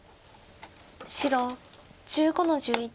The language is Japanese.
白１５の十一。